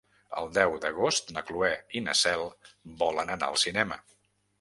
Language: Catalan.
El deu d'agost na Cloè i na Cel volen anar al cinema.